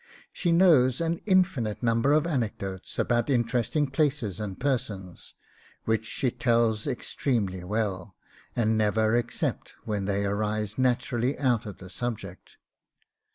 She knows an infinite number of anecdotes about interesting places and persons, which she tells extremely well, and never except when they arise naturally out of the subject.